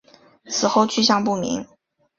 此后去向不明。